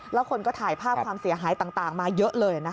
แล้วคนก็ถ่ายภาพความเสียหายต่างมาเยอะเลยนะคะ